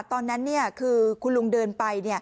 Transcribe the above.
ตอนนั้นคือคุณลุงเดินไป